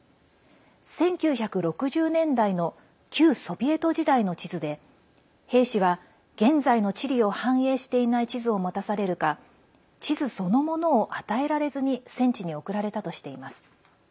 １９６０年代の旧ソビエト時代の地図で兵士は現在の地理を反映していない地図を持たされるか地図そのものを与えられずに戦地に送られたとしています。